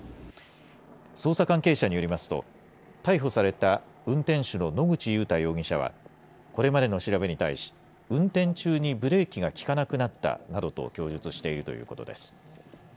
捜査関係者によりますと、逮捕された運転手の野口祐太容疑者は、これまでの調べに対し、運転中にブレーキが利かなくなったなどと供述しているということです。